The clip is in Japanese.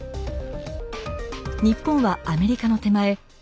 日本はアメリカの手前